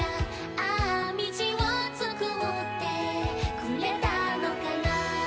「ああ道を作ってくれたのかな」